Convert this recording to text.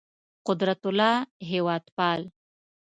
قدرت الله هېوادپال